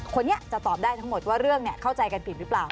คนนี้จะตอบได้ทั้งหมดว่าเรื่องเข้าใจกันผิดหรือเปล่า